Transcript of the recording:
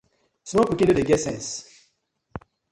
Small pikin no dey get sense.